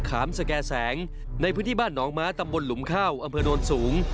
ขามสแก่แสงในพื้นที่บ้านหนองม้าตำบลหลุมข้าวอำเภอโนนสูง